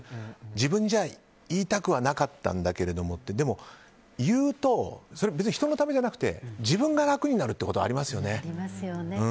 自分じゃ言いたくはなかったんだけれどもってでも、言うと人のためじゃなくて自分が楽になるということありますよね。